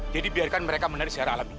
jadi biarkan mereka menari secara alami